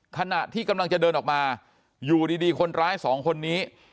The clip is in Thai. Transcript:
ขณะที่กำลังจะเดินออกมาอยู่ดีคนร้ายสองคนนี้